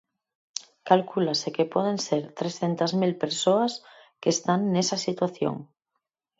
Calcúlase que poden ser trescentas mil persoas que están nesa situación.